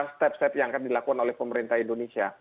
step step yang akan dilakukan oleh pemerintah indonesia